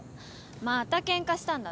またケンカしたんだって？